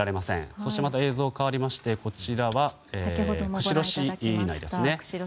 そして映像変わりましてこちらは釧路市内ですね。